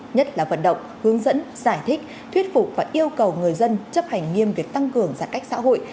nhất là vận động hướng dẫn giải thích thuyết phục và yêu cầu người dân chấp hành nghiêm việc tăng cường giãn cách xã hội